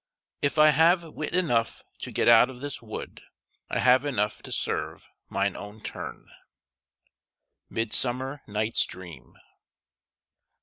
If I have wit enough to get out of this wood, I have enough to serve mine own turn. MIDSUMMER NIGHT'S DREAM.